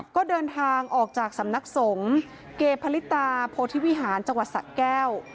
ก็เดินทางออกจากสำนักสงฆ์เกพลิตาโพธิวิหารจังหวัดสะแก้ว